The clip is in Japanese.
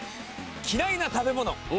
嫌いな食べ物！